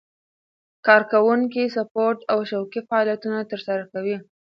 کارکوونکي سپورت او شوقي فعالیتونه ترسره کوي.